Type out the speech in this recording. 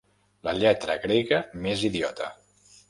La lletra grega més idiota.